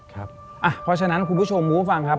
เพราะฉะนั้นคุณผู้ชมคุณผู้ฟังครับ